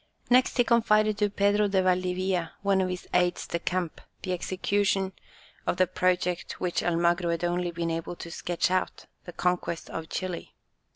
Next he confided to Pedro de Valdivia, one of his aides de camp the execution of the project which Almagro had only been able to sketch out, the conquest of Chili.